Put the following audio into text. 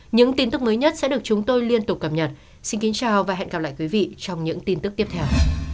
những tin tức mới nhất sẽ được chúng tôi liên tục cập nhật xin kính chào và hẹn gặp lại quý vị trong những tin tức tiếp theo